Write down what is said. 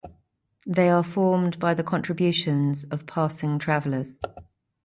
They are formed by the contributions of passing travelers.